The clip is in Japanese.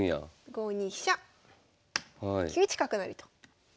５二飛車９一角成と。